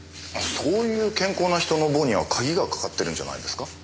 そういう健康な人の房には鍵がかかってるんじゃないですか？